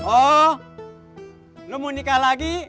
oh lu mau nikah lagi